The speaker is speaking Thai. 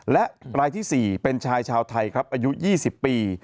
และรายที่๔เป็นชายชาวไทยครับอายุ๒๐ปี